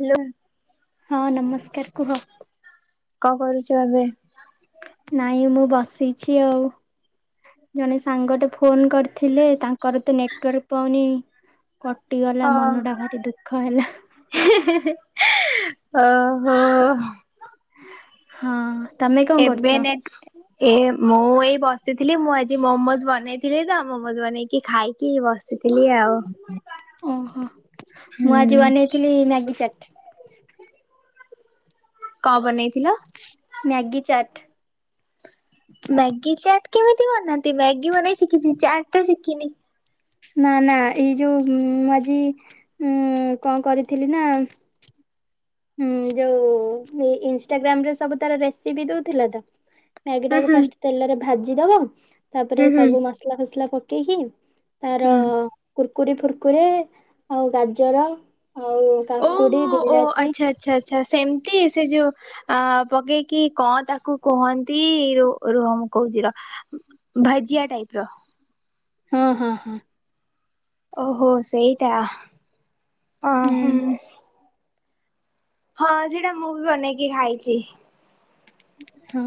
Hello ହଁ ନମ। କ କୁହ। କଣ କରୁଛ ଏବେ? ନାଇଁ ମୁଁ ବସିଛି ଆଉ ଜଣେ ସାଙ୍ଗଟେ ଫୋନ କରିଥିଲେ ତାଙ୍କର ତ ନେଟୱାର୍କ ପାଉନି । ହ ହେଲା। ହ ଓ ହୋ ହଁ। ହଁ। ତମେ କଣ ଏବେ କରୁଛ? ନେଟ୍ ଏ ମୁଁ ଏଇ ବସିଥିଲି ମୁଁ ଆଜି ମୋମୋଜ ବନେଇଥିଲି ତ ମୋମୋଜ ବନେଇକି ଖାଇକି ବସିଥିଲି। ଆଉ। ଓହୋ ମୁଁ ଆଜି ହୁଁ। ବନେଇଥିଲି ମ୍ୟାଗି। କଣ ବନେଇ? ମ୍ୟାଗି ଚାଟ୍? ମ୍ୟାଗି ଚାଟ କେମିତି ବନାନ୍ତି ମ୍ୟାଗି ବନେଇ ଶିଖିଚି ଚାଟ ତ ଶିଖିନି। ନା ନା ଏଇ ଯୋଉ ମୁଁ ଆଜି ଉଁ କଣ କରିଥିଲି ନା ହଁ ଯୋଉ ଇନଷ୍ଟାଗ୍ରାମରେ ସବୁ ତାର ରେସିପି ଦଉଥିଲା ତ ମ୍ୟାଗି ହୁଁ ଟାକୁ ହୁଁ ଫାଷ୍ଟ ତେଲରେ ଭା ଦବ ହୁଁ ତାପରେ ହୁଁ ସବୁ ମସଲା ଫସଲା ପ କେହି ତାର ହୁଁ କୁ କୁର୍କୁରି ଫୁର୍କୁରେ ଆଉ ଗାଜର ଆଉ କାକୁଡି ବିଲାତି ଆଛା ଆଛା ସେମତି ସେ ଯୋଉ ପକେଇକି କଣ ତାକୁ କୁହନ୍ତି ରୁହ କହୁଛିର ଭଜିଆ ଟାଇପ ର ହଁ ହଁ ହଁ। ଓହୋ ସେଇଟା ହୁଁ। ହଁ ସେଟା ମୁଁ ବି ବନେଇକି ଖାଇଛି। ହଁ।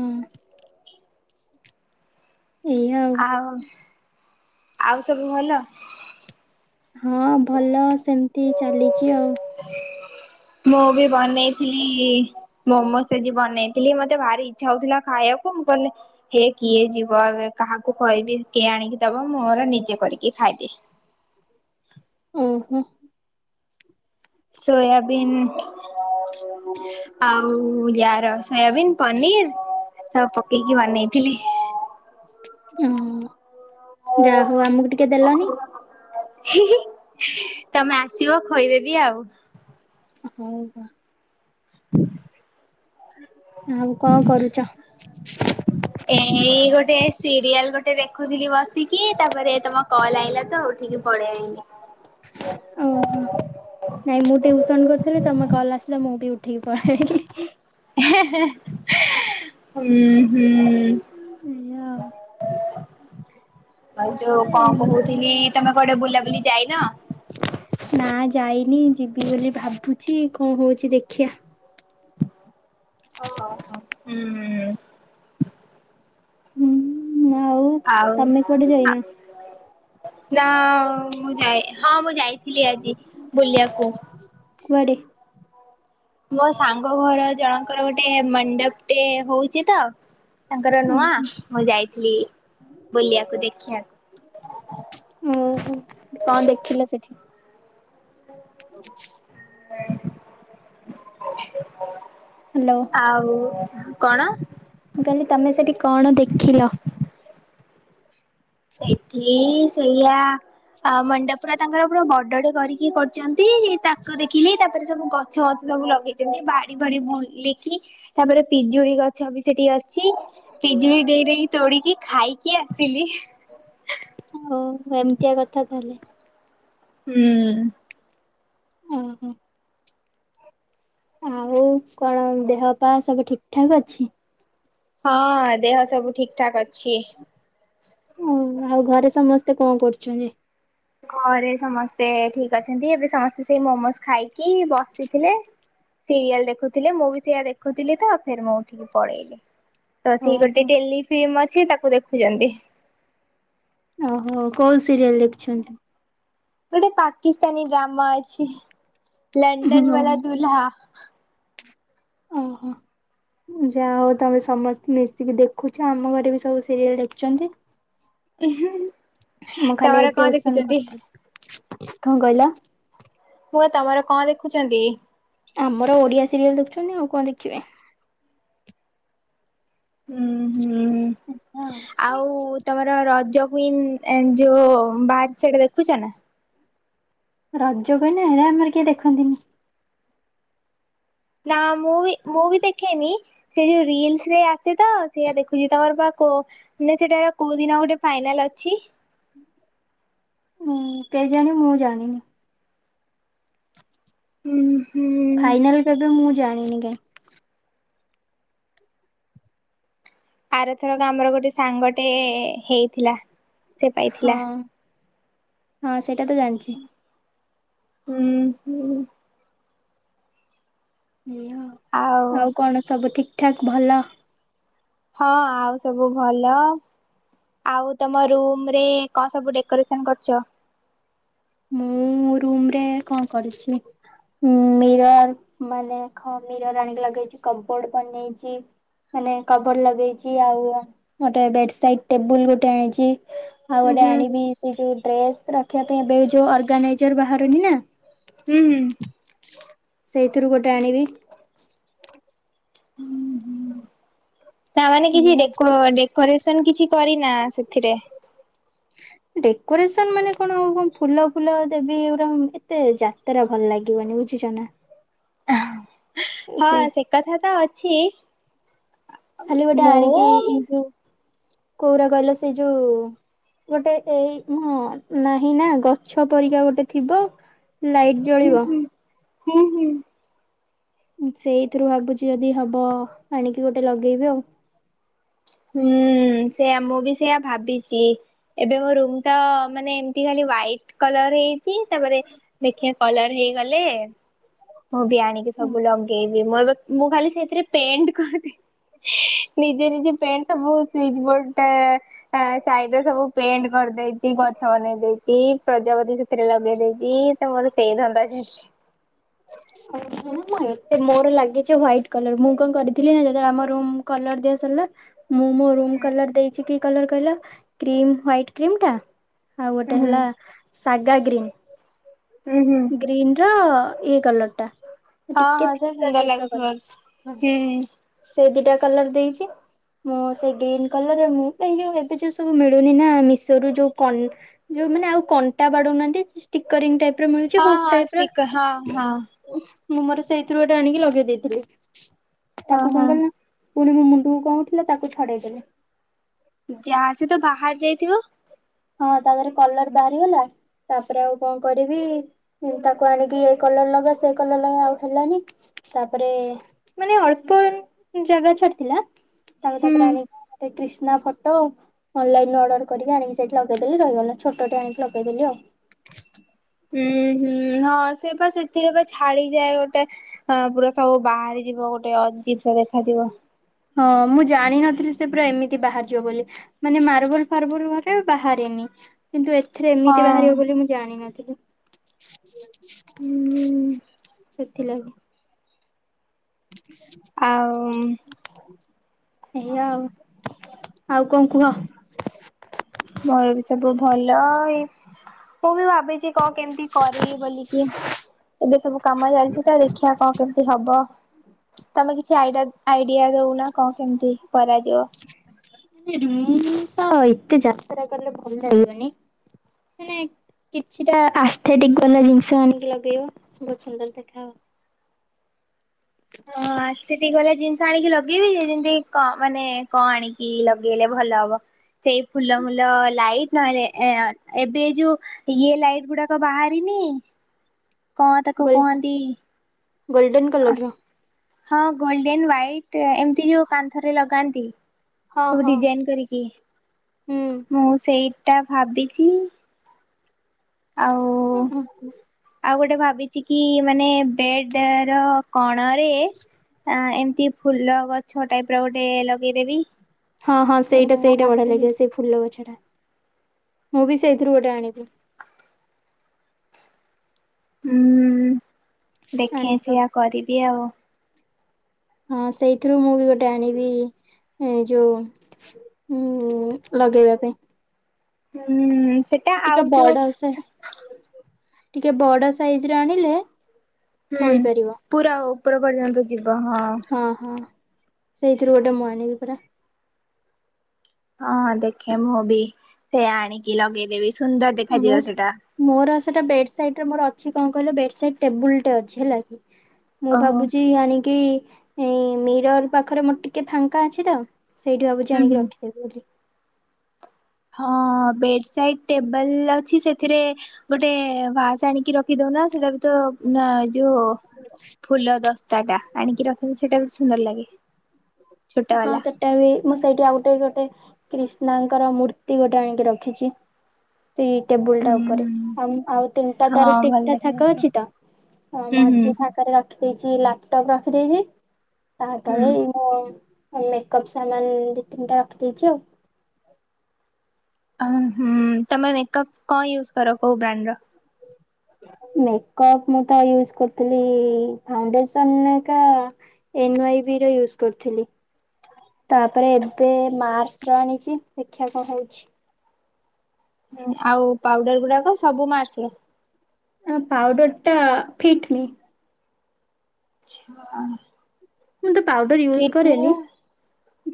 ଆଉ ଆଉ ସବୁ ଭଲ? ହଁ ଭଲ ସେମିତି ଚାଲିଛି ଆଉ। ମୁଁ ବି ବନେଇଥିଲି ମୋମୋ ଆଜି ବନେଇଥିଲି ମତେ ଭାରି ଇଚ୍ଛା ହଉଥିଲା ଖାଇବାକୁ ମୁଁ କହିଲି ହେ କିଏ ଯିବ କାହାକୁ କହିବି କିଏ ଆଣିକି ଦବ ମୁଁର ନିଜେ କରିକି ଖାଇଦି ଓହୋ ସୋୟାବିନ ଆଉ ୟାର ସୋୟାବନ୍ ପନିର ସବୁ ପକେଇକି ବନେଇଥିଲି। ହଁ ଯାହା ହଉ ଆମକୁ ଟିକେ ଦେଲନି? ହି ହୀ ତମେ ଆ ସିବ କ ଖୋଇଦେବି ଆଉ। ହଉ ହଉ। [inaudible] [unintelligible] କଣ କରୁଛ ଏଇ ଗୋଟେ ସିରିଏଲ୍ ଗୋଟେ ଟେ ଦେଖୁଥିଲି ବସ ବସିକି ତାପରେ ତମ କଲ ଆଇଲା ତ ଉଠିକି ପଳେଇ ଆଇଲି। ଓହୋ ନାଇଁ ମୁଁ ଟିଉସନ କରୁଥିଲି ତମେ କଲ ଆସିଲା ମୁଁ ବି ଉଠିକି ପଳିଆଇଲି ହିଁ ହିଁ ହୁଁ ହୁଁ। ଏଇଆ ଆଉ ଯୋଉ କଣ ଆଉ କହୁଥିଲି ତମେ କୋଆଡ଼େ ବୁଲାବୁଲି ଯାଇନ। ନା ଯାଇନି ଯିବି ବୋଲି ଭାବୁଛି କଣ ହଉଛି ଦେଖିଆ। ହୁଁ। ହୁଁ ଆଉ ତମେ କୁଆଡେ ଆଉଆ ଯାଇନ? ନା ମୁଁ ଯାଇ ହଁ ମୁଁ ଯାଇଥିଲି ଆଜି ବୁଲିବାକୁ। କୁଆଡ଼େ। ମୋ ସାଙ୍ଗ ଘର ଜଣଙ୍କର ଗୋଟେ ମଣ୍ଡପ ଟେ ହଉଚି ତ ତାଙ୍କର ନୂଆ ମୁଁ ଯାଇଥିଲି ବୁଲିବାକୁ ଦେଖିଆକୁ । ଓହୋ କଣ ଦେଖିଲ ସେଠି? [inaudible] [inaudible] ଆଉ କଣ ମୁ କଇଲି ତମେ ସେଠି କଣ ଦେଖିଲ। ସେଠି ଶି ସେଇୟା ଆ ମଣ୍ଡପରା ତାଙ୍କର ପୁରାବଡଟେ କରିକି ପଟ ଚନ୍ତି ତାକ ଦେଖିଲି ତାପରେ ସବୁ କ ଛ ଗଛ ସବୁ ଲଗେଇଛନ୍ତି ବାଡି ଭଡି ବୁଲିକି ତାପରେ ପିଜୁଳି ଗଛ ବି ସେଠି ଅଛି ପିଜୁଳି ଦେଇଦେଇ ତୋଳିକି ଖାଇକି ଆସିଲି। ଓ ଏମତିଆ କଥା ତାହେଲେ । ହୁଁ । ଓହୋ। ଆଉ କଣ ଦେହ ପା ସବୁ ଠିକ୍ ଠାକ୍ ଅଛି। ହଁ ଅ ଦେହ ସବୁ ଠିକ୍ ଠାକ୍ ଅଛି । ଉ ଆଉ ଘରେ ସମସ୍ତେ କଣ କରୁଚନ୍ତି। ଘରେ ସମସ୍ତେ ଠିକ୍ ଅଛନ୍ତି ଏବେ ସମସ୍ତେ ସେଇ ମୋମୋଜ ଖାଇକି ବସିଥିଲେ ସିରିଏଲ ଦେଖୁଥିଲେ ମୁଁ ବି ସେଇଆା ଦେଖୁଥିଲି ତ ଫେର ମୁଁ ଉଠିକି ପଳେଇଲି । ତ ସିଇ ଓହୋ। ଗୋଟେ ଟେଲି ଫିଇମ ସି ତାକୁ ଦେଖୁଛନ୍ତି। ଓହୋ କୋଉ ସିରିଏଲ ଦେଖୁଛନ୍ତି। ଗୋଟେ ପାକିସ୍ତାନୀ ଡ୍ରାମା ଅଛି। ଲଣ୍ଡନ ହଁ। ବାଲା ଦୁଲ୍ହାହା । [unintelligible] ଓହୋ ମୁଯାହା ହଉ ତମେ ସମସ୍ତେ ମିଶିକି ଦେଖୁଛ ଆମ ଘରେ ବି ସବୁ ସିରିଏଲ ଦେଖୁଛନ୍ତି। ଇ ହଁ । ମୁଁ ଖାଲି ଟିଉସନ କରିଥିଲି। ଖ ଅ କହିଲା। ପୁଅ ତମର କଣ ଦେଖୁଛନ୍ତି? ଆମର ଓଡିଆ ସିରିଏଲ ଦେଖୁଚନ୍ତି ଆଉ କଣ ଦେଖିବେ। ହୁଁ ଉ ହୁଁ ଉ ହଁ ଆଉ ତମର ଜଗୁଉନ ଆଣ୍ଡ ଯୋଉ ବାସେସେଟଦେଖୁଛ ନା । ରଜ କନା ହେ ଆମର କିଏ ଦେଖନ୍ତିନି । ନା ମୁଁ ମୁଁ ବି ଦେଖେନି ସେ ଯୋଉ ରୀଲସ ଆସେ ତ ସେ ଦେଖୁଛି ତମର ପା କୋ ସିଟାପା କୋଉ ଦିନ ଗୋଟେ ଫାଇନାଲ ଅଛି। ହୁଁ କେ ଜାଣି ମୁଜାଣିନି । ହୁଁ। ହୁଁ ଫାଇନାଲ କେବେ ମୁଁ। ଜାଣିନି କାଇଁ। ଆରଥରକ ଆମର ଗୋଟେ ସାଙ୍ଗଟେ ଏ ହେଇଥିଲା। ସେ ପାଇଥିଲା। ହଁ ହଁ ସେ ସେଇଟା ତ ଜାଣିଛି। ହୁଁ ହୁଁ। ଏଇଆ ଆଉ କଣ ସବୁ ଠିକ। ଠିକ୍ ଠାକ୍ ଭଲ। ହଁ ଆଉ ସବୁ ଭଲ, ଆଉ ତମ ରୁମରେ କଅଁ ସବୁ ଡେକୋରେସନ କରୁଛ। ମୁଁ ରୁମରେ କଣ କରିଛି, ମିରର ମାନେ ଖ ମିରର ଆଣିକି ଲଗେଇଛି କବୋର୍ଡ ବନେଇଛି ମାନେ କବର୍ଡ ଲଗେଇଛି ଆଉ ଗୋଟେ ବେଡ ସାଇଟ ଟେବୁଲ ଗୋଟେ ଆଣିଛି। ଆଉ ଉଁ ଗୋଟେ ହୁଁ ଆଣିବି ସେ ଯୋଉ ଡ୍ରେସ। ରଖିବା ପାଇଁ ଏବେ ଯୋ। ଯଉ ଅର୍ଗାନାଇଜର ବାହାରୁନି ନା। ହୁଁ ହୁଁ। ସେଇଥିରୁ ଗୋଟେ ଆଣିବି। ହୁଁ ହୁଁ। ନା ମାନେ କିଛି ଏଇଆ ଆଉ। ଡେକୋ ଡେ। ରେଶନ କିଛି କରିନା ସେଥିରେ। ଡେକୋରେସନ ମାନେ କଣ ଆଉ କଣ ଫୁଲ ଫୁଲ ଦେବି ଏଇ ଗୁରା ଏତେ ଯାତରା ଭଲ ଲାଗିବନି ବୁଝୁଛ ନା। ହଁ ସେ କଥା ତ ଅଛି। ଖାଲି ଗୋଟେ ମୁଁ ଆଣିକି ଏଇ ଏଇ ଯୋଉ। କୋଉରା କହିଲ ସେଇ ଯୋଉ ଗୋଟେ ଏଇ ନା ନାହିଁ ନା ଗଛ ପରିକା ଗୋଟେ ଥିବ ଲାଇଟ୍ ହୁଁ ଜଳିବ। ହୁଁ। ହୁଁ ହୁଁ ସେଇଥିରୁ ଭାବୁଛି ଯଦି ହବ ଆଣିକି ଗୋଟେ ଲଗେଇବି ଆଉ। ହୁଁ ସେୟା ମୁଁ ବି ସେଇଆ ଭାବିଚି। ଏବେ ମୋ ରୁମ ତ ମାନେ ଏମତି ଖାଲି ହ୍ୱାଇଟ କଲର ହେଇଚି। ତାପରେ ଦେଖିବା କଲର ହେଇଗଲେ ମୁଁ ବି ଆଣିକି ସବୁ ଲଗେଇବି। ମୁଁ ଏବେ ମୁଁ ଖାଲି ସେଇଥିରେ ପେଣ୍ଟ କରିଦିଏ। ନିଜେ ନିଜେ ପେଣ୍ଟ ସବୁ ସୁଇଚ ବୋର୍ଡ ତା ଆ ସାଇଡରେ ସବୁ ପେଣ୍ଟ କରିଦେଇଚି, ଗଛ ବନେଇ ଦେଇଚି, ପ୍ରଜାପତି ସେଥିରେ ଲଗେଇ ଦେଇଚି ତ ମୋର ସେଇ ଧନ୍ଦା ଚାଲିଛି। ମୁଁ ଏତେ ମୋର ଲାଗିଛି ହ୍ୱାଇଟ କଲର ମୁଁ କଣ କରିଥିଲି ନା ଯେତେବେଳେ ଆମ ରୁମ୍ କଲର ଦିଆ ସରିଲା ମୁଁ ମୋ ରୁମ୍ କଲର ଦେଇଛି କି କି କଲର କହିଲ କ୍ରିମ ହ୍ଵାଇଟ କ୍ରିମ ଟା ଆଉ ହୁଁ ଗୋଟେ ହୁଁ ହେଲା ସାଗା ଗ୍ରୀନ୍। ହୁଁ ହୁଁ। ଗ୍ରୀନ୍ ର ଇଏ କଲର ଟା। ହଁ ଟିକେ ହଁ ସେ ଫିକା ସୁନ୍ଦର ଟାଇପ୍ ଲାଗୁଥିବ ହୁଁ ହୁଁ। ସେ ଦିଟା କଲର ଦେଇଛି। ମୁଁ ସେ ଗ୍ରୀନ୍ କଲର ମୁଁ ଯୋଉ ଏବେ ଯୋଉ ସବୁ ମିଳୁନି ନା ମିଶୋ ରୁ ଯୋଉ କନ୍ ଯୋଉ ମାନେ ଆଉ କଣ୍ଟା ବାଡଉ ନାହାଁନ୍ତି ସ୍ଟିକରିଂ ଟାଇପ ର ମିଳୁଛି ହଁ ହୁକ୍ ହଁ ଟାଇପର। ଷ୍ଟିକର ହଁ ହଁ ମୁଁ ମୋର ସେଇଥିରୁ ଗୋଟେ ଆଣିକି ଲଗେଇ ଦେଇଥିଲି। ହଁ ତାକୁ କଣ ହଁ। କଲି ନା ପୁଣି ମୋ ମୁଣ୍ଡକୁ କଣ ଉଠିଲା ତାକୁ ଛଡେଇଦେଲି। ଯା ସେ ତ ବାହାର ଯାଇଥିବ। ହଁ ତା ଦେହରେ କଲର ବାହାରିଗଲା। ତାପରେ ଆଉ କଣ କରିବି ତାକୁ ଆଣିକି ଏ କଲର ଲଗା ସେ କଲର ଲଗା ଆଉ ହେଲାନି ତାପରେ ମାନେ ଅଳ୍ପ ଜାଗା ଛାଡିଥିଲା ତାକୁ ହୁଁ। ତାପରେ ଆଣିକି ଗୋଟେ କ୍ରିଶ୍ ନା ଫଟୋ ଅନଲାଇନରୁ ଅର୍ଡର କରିକି ଆଣିକି ସେଠି ଲଗେଇଦେଲି ରହିଗଲା। ଛୋଟଟେ ଆଣିକି ଲଗେଇଦେଲି ଆଉ। ହୁଁ ହୁଁ ହଁ ସେ ବା ସେଥିରେ ବା ଛାଡିଯାଏ ଗୋଟେ ପୁରା ସବୁ ବାହାରି ଯିବ ଗୋଟେ ଅଜୀବ ସା ଦେଖାଯିବ। ହଁ ମୁଁ ଜାଣିନଥିଲି ସେ ପୁରା ଏମିତି ବାହାରିଯିବ ବୋଲି ମାନେ ମାର୍ବୁଲ ଫାର୍ବୁଲ ଘରେ ବାହାରେନି। କିନ୍ତୁ ଏଥିରେ ଏମିତି ବାହାରିବ ହଁ। ବୋଲି ମୁଁ ଜାଣିିନଥିଲି। [unintelligible] ହୁଁ। ଥିଲ କି। ଆଉ ଏୟା ଆଉ। ଆଉ କଣ କୁହ? ମୋର ବି ସବୁ ଭଲ। ଏଇ ମୁଁ ବି ଭାବିଛି କଣ କେମିତି କରି ବୋଲିକି ଏବେ ସବୁ କାମ ଚାଲିଛି ତ ଦେଖିବା କଣ କେମିତି ହବ ତମେ କିଛି ଆଇଡିଆ ଆଇଡିଆ ଦଉନ କଣ କେମିତି କରାଯିବ? ମୁଁ ତ ଏତେ ଯାତ୍ରା କଲେ ଭଲ ଲାଗିବନି ମାନେ କିଛିଟା ଆସ୍ଥେଟିିକ୍ ବାଲା ଜିନିଷ ଆଣିକି ଲଗେଇବ ବହୁତ ସୁନ୍ଦର ଦେଖା ହବ। ହଁ ଆସ୍ଥେଟିକ୍ ବାଲା ଜିନିଷ ଆଣିକି ଲଗେଇବି ଯେମିତି କ ମାନେ କଣ ଆଣିକି ଲଗେଇଲେ ଭଲ ହବ ସେଇ ଫୁଲ ମୁଲ ଲାଇଟ୍ ନହେଲେ ଏବେ ଯୋଉ ଇଏ ଲାଇଟ୍ ଗୁଡାକ ବାହାରିନି କଣ ତାକୁ କୁହନ୍ତି। ଗୋଲ୍ଡେନ୍ କଲର୍ ର। ହଁ ଗୋଲ୍ଡେନ୍ ହ୍ୱାଇଟ୍ ଏମିତି ଯୋଉ କାନ୍ଥରେ ଲଗାନ୍ତି। ହଁ ସବୁ ହଁ ଡିଜାଇନ୍ କରିକି ହୁଁ। ମୁଁ ସେଇ ସେଇଟା ଭାବିଛି। ଆଉ ହୁଁ ହୁଁ ହୁଁ। ଆଉ ଗୋଟେ ଭାବିଛି କି ମାନେ ବେଡ୍ ର କଣ ରେ ଏମି ଫୁଲ ଗଛ ଟାଇପ୍ ର ଗୋଟେ ଲଗେଇ ଦେବି। ହଁ ହଁ ସେଇଟା ସେଇଟା ବଢିଆ ଲାଗିବ ସେଇ ଫୁଲ ଗଛ ଟା। ମୁଁ ବି ସେଇଥିରୁ ଗୋଟେ ଆଣିବି। ହୁଁ। ଦେଖଁ ଆଣିକି ଲଗ ସେଇଆ କରିଦିଏ ଆଉ। ହଁ ସେଇଥିରୁ ମୁଁ ବି ଗୋଟେ ଆଣିବି ଯୋଉ ଲଗେଇବା ପାଇଁ। ହୁଁ। ସେଟା ଟିକେ ଆଉ ବଡ ଯୋଉ ସେ ସୁ ଟିକେ ବଡ ସାଇଜ୍ ରେ ଆଣିଲେ ହୁଁ ଥୋଇପାରିବ ପୁରା ଓ। ଉପରେ ପଡିଯାନ୍ତୁ। ଯିବ ହଁ। ସେଇଥିରୁ ଗୋଟେ ମୁଁ ଆଣବି ପରା। ହଁ ଦେଖେ ମୁଁ ବି ସେ ଆଣିକି ଲଗେଇ ଦେବି ସୁ ସୁନ୍ଦର ଦେଖାଯିବ ସେଇଟା। ସେଇଟା ବେଡ୍ ସାଇଟ୍ ରେ ମୋର ଅଛି କଣ କହିଲ ବେଡ୍ ସାଇଟ୍ ଟେବୁଲ ଟେ ଅଛି ହେଲା କି। ମୁଁ ଓହୋ ଭାବୁଛି ଆଣିକି ଆଣି କି ମିରର୍ ପାଖରେ ମୋର ଟିକେ ଫାଙ୍କା ଅଛି ତ ସେଇଠି ଭାବୁଛି ହୁଁ ଆଣିକି ହୁଁ। ରଖିଦେବି ବୋଲି। ହଁ ବେଡ୍ ସାଇଟ୍ ଟେବଲ ଅଛି ସେଥିରେ ଗୋଟେ ଭାସ୍ ଆଣିକି ରଖି ଦଉନ ସେଟା ବି ତ ଯୋଉ ଫୁଲ ଦସ୍ ତାଟା ଆଣିକି ରଖିଲେ ସେଇଟା ବି ସୁନ୍ଦର ଲାଗେ। ଛୋଟା ହଁ ବାଲା। ସେଟା ବି ମୁଁ ସେଇଠି ଆଉ ଗୋଟେ ଗୋଟେ କ୍ରିଷ୍ଣାଙ୍କର ମୂର୍ତ୍ତି ଗୋଟେ ଆଣିକି ରଖିଛି। ଏଇ ଟେବୁଲ ଟା ହୁଁ ଉପରେ ଆଉ ଆଉ ତିନିଟା ହଁ ତାର ଭଲ ତିନିଟା ଥାକ ଦେଖାଯାଉଥିବ ଅଛି ତ ହୁଁ ହୁଁ ମଝି ଥାକରେ ର ଖିଛି ଲାପଟପ୍ ରଖିଦେଇଛି। ତା ହୁଁ। ତଳେ ଏଇ ମୁଁ ମୁଁ ମେକଅପ୍ ସାମାନ୍ ଦି ତିନିଟା ରଖି ଦେଇଛି ଆଉ। ହଁ ତେ ମେକଅପ କଣ ୟୁଜ କର କୋଉ ବ୍ରାଣ୍ଡ ର? ମେକପ ମୁଁ ତ ୟୁଜ କରିଥିଲି ଇ ଇ ଫାଉଣ୍ଡେସନ ଏକା ଏନ ୱାଇବି ର ୟୁଜ କରିଥିଲି। ତାପରେ ଏବେ ମାର୍ସ ର ଆଣିଛି, ଦେଖିବା କଣ ହଉଛି। ହୁଁ ଆଉ ପାଉଡର ଗୁଡାକ ସବୁ ମାର୍ସ ର? ଆ ପାଉଡର ଟା ଫିଟ ମି। ଛା। ମୁଁ ତ ପାଉଡର ୟୁଜ୍ କରେନି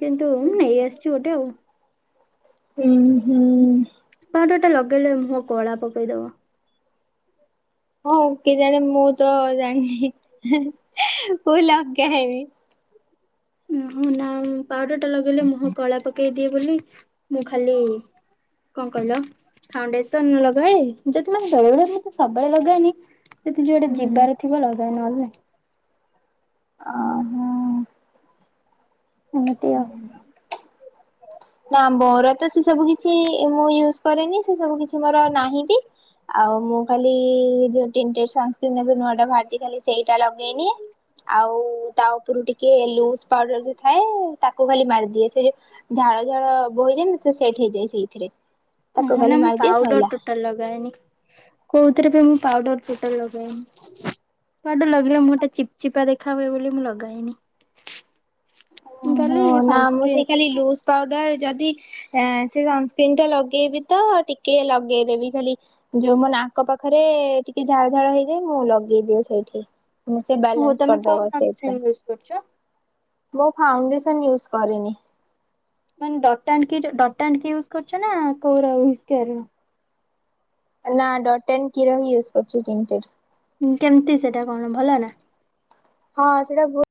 କିନ୍ତୁ ମୁଁ ନେଇ ଆସିଛି ଗୋଟେ ଆଉ। ହୁଁ ହୁଁ। ପାଉଡର ଟା ଲଗେଇଲେ ମୁହଁ କଳା ପକେଇଦବ। ହଁ ଓକ ଜେ ମୁଁ ତ ଜାଣିନି। ବୁ ଲଗେ କେ ହେଁବି। ଉ ହଁ ନା ପାଉଡର ଟା ଲଗେଇଲେ ମୁହଁ କଳା ପକେଇଦିଏ ବୋଲି, ମୁଁ ଖାଲି କଣ କହିଲ ଫାଉଣ୍ଡେସନ ଲଗାଏ, ଯଦି ମତେ ବେଳେବେଳେ ମୁ ତ ସବୁବେଳେ ଲଗାଏନି ଯଦି ଯୁଆଡେ ହୁଁ ହୁଁ ଯିବାର ଥିବ ଲ [unintelligible] ଓ ହୋ। ଏମିତି ଆଉ। ନା ମୋର ତ ସେ ସବୁ କିଛି ମୁଁ କରେନି ସେ ସବୁ କିଛି ମୋର ନାହିଁ ବି ଆଉ ମୁଁ ଖାଲି ଯୋଉ ନୂଆ ଟା ବାହାରିଛି ଖାଲି ସେଇଟା ଲଗେଇନି ଆଉ ତା ଉପରୁ ଟିକେ ଲୁ ପାଉଡର ଯ ଥାଏ ତାକୁ ଖାଲି ମାରିଦିଏ। ସେ ଯେ ଝାଳ ଝାଳ ବୋହି ଯାଏନି ସେ ସେଟ ହେଇଯାଇ ସେଇଥିରେ। ତାକୁ ହେଲେ ଖାଲି ମୁଁ ମାରିଦିଏ ସଇଲା। ପାଉଡର ଟୋଟାଲ ଲଗାଏନି। କଉଥିରେ ବି ମୁଁ ପାଉଡର ଟୋଟାଲ ଲଗାଏନି ପାଉଡର ଲଗେଇଲେ ମୁହଁ ଟା ଚିପ ଚିପା ଦେଖା ହୁଏ ବୋଲି ମୁଁ ଲଗାଏନି। ମୁଁ ଖାଲି ଓହୋ ନା ମୁଁ ସନସ୍କ୍ରିନ୍ ସେଇ ଖାଲି ଲୁଜ ପାଉଡର ଯଦି ଏଁ ସେ ସନସ୍କ୍ରନ୍ ଟା ଲଗେଇବି ତ ଟିକେ ଲଗେଇଦେବି ଖାଲି ଯୋଉ ମୋ ନାଙ୍କ ପାଖରେ ଟିକେ ଝାଳ ଝାଳ ହେଇଯାଏ ମୁଁ ଲଗେଇଦିଏ ସେଇଠି ସେ ହଉ ବ୍ୟାଲନ୍ସ ତମେ କୋଉ କରିଦବ ସନସ୍କ୍ରିନ୍ ସେଥିପାଇଁ ୟୁଜ କରୁଛ? ମୁ ଫାଉଣ୍ଡେସନ ୟୁଜ କରିନି। ମାନେ ଡଟ ଇନ କି ର ଡଟ ଇନ କି ର ୟୁଜ କରୁଛ ନା ୱିସ କେୟାର ର? ନା ଡଟ-ଇନ-କି ର ୟୁଜ କରୁଛି। ହୁଁ କେମିତି ସେଟା କଣ ଭଲ ନା? ହଁ ସେଇଟା ବହୁ